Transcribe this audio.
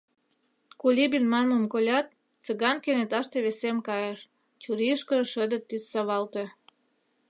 Кулибин манмым колят, Цыган кенеташте весем кайыш, чурийышкыже шыде тӱс савалте.